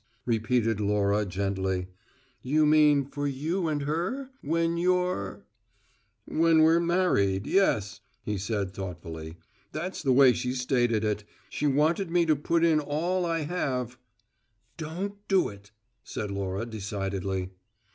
repeated Laura gently. "You mean for you and her? When you're " "When we're married. Yes," he said thoughtfully, "that's the way she stated it. She wanted me to put in all I have " "Don't do it!" said Laura decidedly.